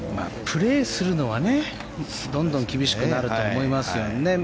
プレーするのはどんどん厳しくなると思いますよね。